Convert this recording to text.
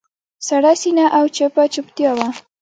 سړه سینه او چپه چوپتیا وه.